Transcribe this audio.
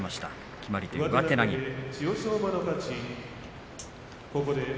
決まり手は上手投げです。